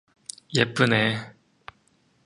예쁘네!